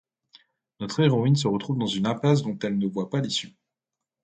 Notre héroïne se retrouve dans une impasse dont elle ne voit pas l’issue.